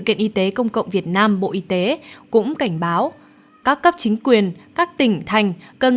kiện y tế công cộng việt nam bộ y tế cũng cảnh báo các cấp chính quyền các tỉnh thành cần